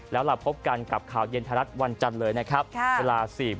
แล้วเราพบกันกับข่าวเย็นไทยรัฐวันจันทร์เลยนะครับ